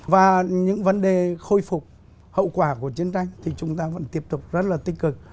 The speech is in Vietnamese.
và những vấn đề khôi phục hậu quả của chiến tranh thì chúng ta vẫn tiếp tục rất là tích cực